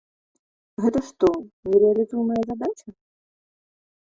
Гэта што, нерэалізуемая задача?